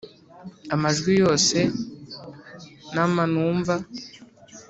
amajwi yose, nama numva